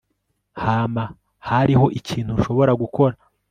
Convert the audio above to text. Hama hariho ikintu nshobora gukora